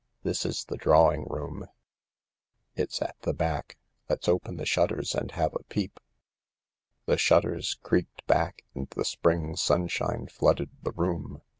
This is the drawing room — it's at the back ; let's open the shutters and have a peep." The shutters creaked back and the spring sunshine flooded the room.